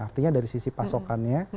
artinya dari sisi pasokannya